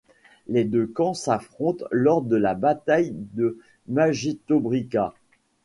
Les deux camps s'affrontent lors de la bataille de Magetobriga.